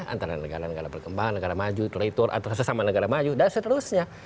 antara negara negara perkembangan negara maju teritor antara sesama negara maju dan seterusnya